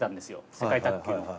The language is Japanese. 世界卓球の。